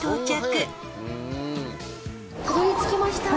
たどりつきました。